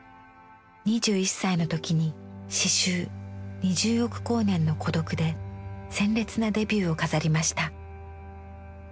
２１歳の時に詩集「二十億光年の孤独」で鮮烈なデビューを飾りました。